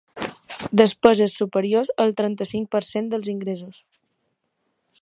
Despeses superiors al trenta-cinc per cent dels ingressos.